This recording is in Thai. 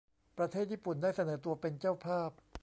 ประเทศญี่ปุ่นได้เสนอตัวเป็นเจ้าภาพ